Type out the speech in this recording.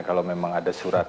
kalau memang ada surat